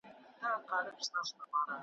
هغه بل د پیر په نوم وهي جېبونه `